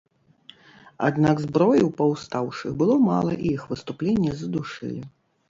Аднак зброі ў паўстаўшых было мала і іх выступленне задушылі.